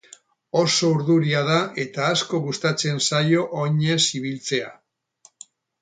Oso urduria da eta asko gustatzen zaio oinez ibiltzea.